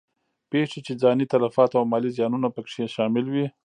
پېښې چې ځاني تلفات او مالي زیانونه په کې شامل وي.